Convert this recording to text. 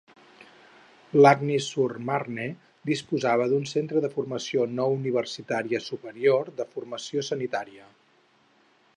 Lagny-sur-Marne disposava d'un centre de formació no universitària superior de formació sanitària.